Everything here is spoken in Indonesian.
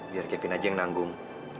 biar kepin aja yang nanggung